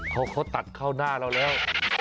เขาตัดเข้าหน้าเราแล้ว